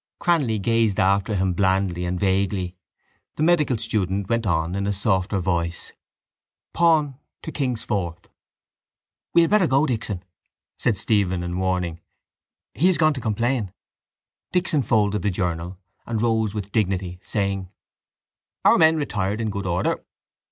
Cranly gazed after him blandly and vaguely. The medical student went on in a softer voice: —Pawn to king's fourth. —We had better go, Dixon, said Stephen in warning. He has gone to complain. Dixon folded the journal and rose with dignity, saying: —Our men retired in good order.